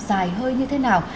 dài hơi như thế nào